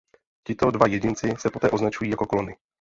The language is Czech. Tito dva jedinci se poté označují jako klony.